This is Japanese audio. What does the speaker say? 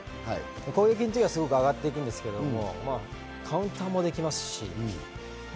攻撃はすごく上がって行くんですけど、カウンターもできますし。